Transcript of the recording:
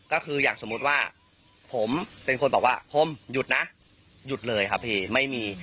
ก็คืออย่างสมมุติว่าผมเป็นคนบอกว่าผมหยุดนะหยุดเลยครับพี่ไม่มี